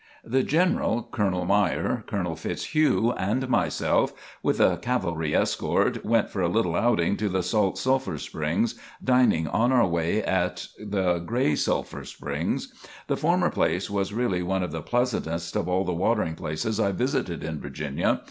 The General, Colonel Myer, Colonel Fitzhugh and myself, with a cavalry escort, went for a little outing to the Salt Sulphur Springs, dining on our way at the Gray Sulphur Springs. The former place was really one of the pleasantest of all the watering places I visited in Virginia.